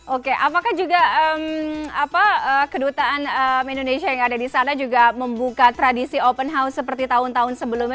oke apakah juga kedutaan indonesia yang ada di sana juga membuka tradisi open house seperti tahun tahun sebelumnya